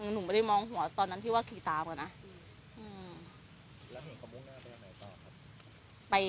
หนูไม่ได้มองหัวตอนนั้นน่ิสิว่าคลีตามก็นะ